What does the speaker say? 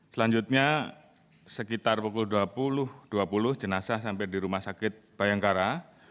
selanjutnya sekitar pukul dua puluh dua puluh jenazah sampai di rumah sakit bayangkara